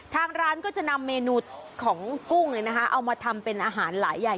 ทางร้านก็จะนำเมนูของกุ้งเอามาทำเป็นอาหารหลายอย่าง